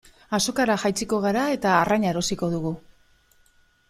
Azokara jaitsiko gara eta arraina erosiko dugu.